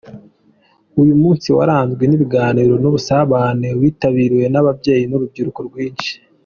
Uyu munsi waranzwe n’ibiganiro n’ubusabane, witabiriwe n’ababyeyi n’ urubyiruko rwinshi.